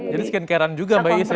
jadi skincare an juga mbak is ya